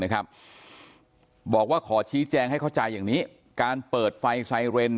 บอกว่าขอชี้แจงให้เข้าใจอย่างนี้การเปิดไฟไซเรน